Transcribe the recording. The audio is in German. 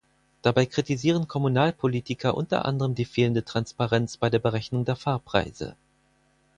Dabei kritisieren Kommunalpolitiker unter anderem die fehlende Transparenz bei der Berechnung der Fahrpreise.